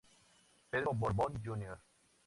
Pedro Borbón, Jr.